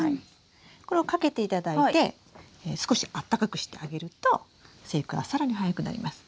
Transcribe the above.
これをかけていただいて少しあったかくしてあげると生育は更に早くなります。